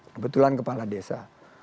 kebetulan kepala desa